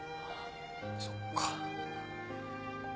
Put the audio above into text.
そっか。